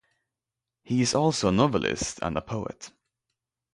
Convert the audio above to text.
He is also a novelist and a poet.